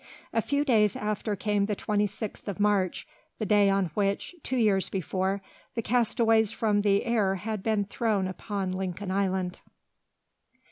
A few days after came the 26th of March, the day on which, two years before, the castaways from the air had been thrown upon Lincoln Island.